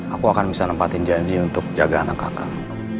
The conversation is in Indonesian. aku akan bisa nempatin janji untuk jaga anak kakakku